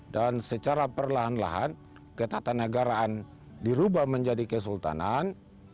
dan secara perlahan lahan ketatanegaraan dirubah menjadi kesultanan